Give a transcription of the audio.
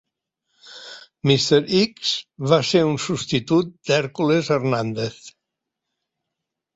Mr. X va ser un substitut d'Hercules Hernandez.